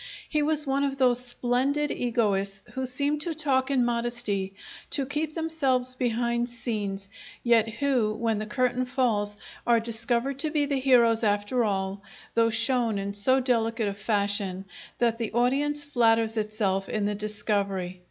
He was one of those splendid egoists who seem to talk in modesty, to keep themselves behind scenes, yet who, when the curtain falls, are discovered to be the heroes, after all, though shown in so delicate a fashion that the audience flatters itself in the discovery.